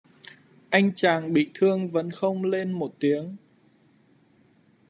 Anh chàng bị thương vẫn không lên một tiếng